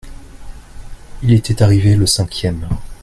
il était arrivé le cinquième.